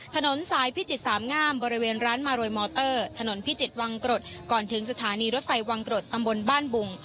ถนนสายพิจิตรสามงามบริเวณร้านมารวยมอเตอร์ถนนพิจิตรวังกรดก่อนถึงสถานีรถไฟวังกรดตำบลบ้านบุง